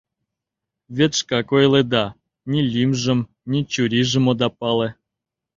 Вет шкак ойледа, ни лӱмжым, ни чурийжым ода пале.